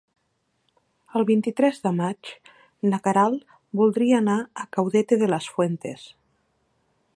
El vint-i-tres de maig na Queralt voldria anar a Caudete de las Fuentes.